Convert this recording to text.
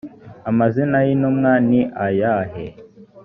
amazina y intumwa ni ayahe